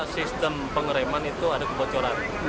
sistem pengereman itu ada kebocoran